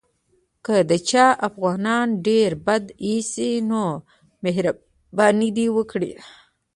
که د چا افغانان ډېر بد ایسي نو مهرباني دې وکړي.